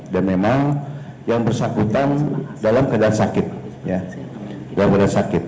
dan memang yang bersangkutan dalam keadaan sakit